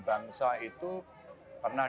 bangsa itu pernah